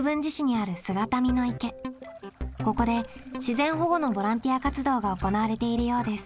ここで自然保護のボランティア活動が行われているようです。